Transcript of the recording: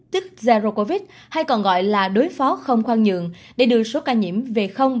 tức zharo covid hay còn gọi là đối phó không khoan nhượng để đưa số ca nhiễm về không